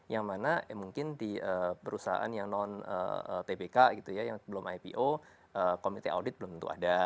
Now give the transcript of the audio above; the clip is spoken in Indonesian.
yang mana mungkin di perusahaan yang non tpk gitu ya yang belum ipo komite audit belum tentu ada